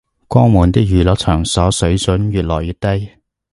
江門啲娛樂場所水準越來越低